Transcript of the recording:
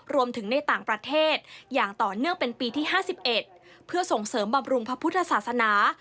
ในต่างประเทศอย่างต่อเนื่องเป็นปีที่๕๑เพื่อส่งเสริมบำรุงพระพุทธศาสนา